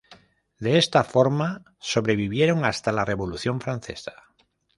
De esta forma, sobrevivieron hasta la Revolución Francesa.